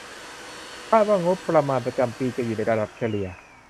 คาดว่างบประมาณประจำปีจะอยู่ในระดับเฉลี่ย